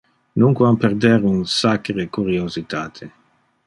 Nunquam perder un sacre curiositate.